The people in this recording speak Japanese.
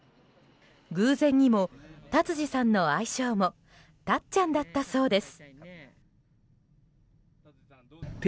偶然にも達治さんの愛称もたっちゃんだったそうです。